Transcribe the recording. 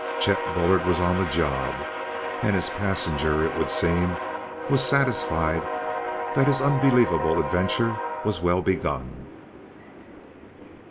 Chet Bullard was on the job ... and his passenger, it would seem, was satisfied that his unbelievable adventure was well begun.